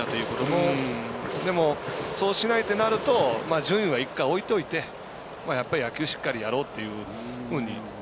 でも、そうしないとなると順位は１回、置いておいてやっぱり野球をしっかりやろうというふうに。